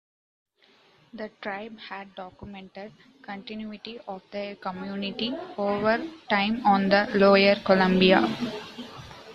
The tribe had documented continuity of their community over time on the lower Columbia.